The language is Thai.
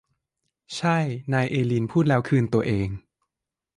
ใช่นายเอลีนพูดแล้วคืนตัวเอง